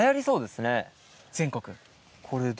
全国？